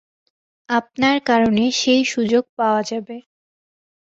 আপনার কারণে সেই সুযোগ পাওয়া যাবে।